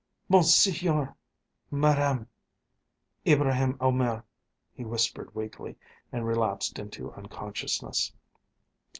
"Monseigneur Madame Ibraheim Omair," he whispered weakly, and relapsed into unconsciousness.